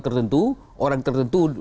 tertentu orang tertentu